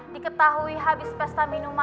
diketahui habis pesta minuman